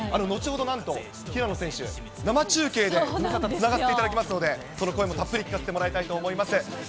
後ほど、なんと平野選手、生中継でズムサタとつながせていただきますので、その声もたっぷり聞かせていただきたいと思います。